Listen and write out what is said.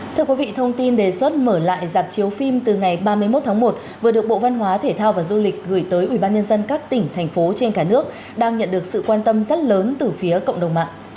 thưa quý vị thông tin đề xuất mở lại dạp chiếu phim từ ngày ba mươi một tháng một vừa được bộ văn hóa thể thao và du lịch gửi tới ubnd các tỉnh thành phố trên cả nước đang nhận được sự quan tâm rất lớn từ phía cộng đồng mạng